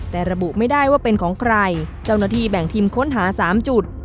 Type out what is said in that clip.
แต่ระบุไม่ได้ว่าเป็นของใครเจ้าหน้าที่แบ่งทีมค้นหา๓จุด